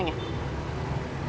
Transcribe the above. iya dik makasih